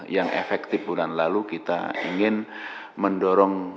yang efektif bulan lalu kita ingin mendorong